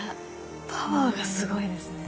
パワーがすごいですね。